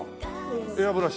エアブラシ。